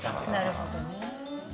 なるほどね。